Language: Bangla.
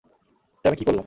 এটা আমি কী করলাম?